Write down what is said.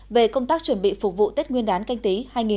về công tác chuẩn bị phục vụ tết nguyên đán canh tí hai nghìn hai mươi